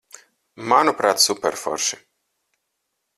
Manuprāt, superforši.